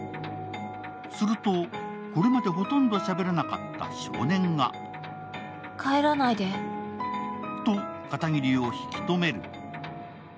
すると、これまでほとんどしゃべらなかった少年がと片桐を引き止める。